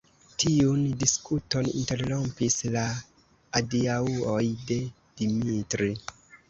Tiun diskuton interrompis la adiaŭoj de Dimitri.